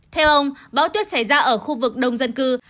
theo ông bão tuyết xảy ra ở khu vực đông dân cư